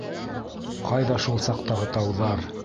Ҡайҙа шул саҡтағы тауҙар?